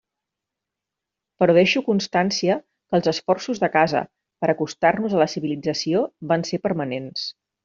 Però deixo constància que els esforços de casa per acostar-nos a la civilització van ser permanents.